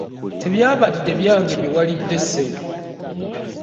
Tebyabadde byange bye walidde ssebo.